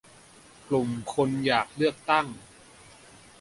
กลุ่มคนอยากเลือกตั้ง